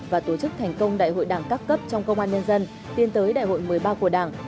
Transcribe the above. và tổ chức thành công đại hội đảng các cấp trong công an nhân dân tiến tới đại hội một mươi ba của đảng